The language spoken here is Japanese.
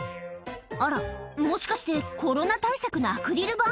あらもしかしてコロナ対策のアクリル板？